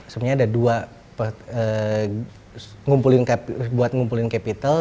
sebenarnya ada dua buat ngumpulin capital